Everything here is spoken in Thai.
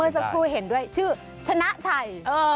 สักครู่เห็นด้วยชื่อชนะชัย